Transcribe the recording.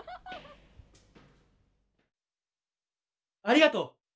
ありがとう！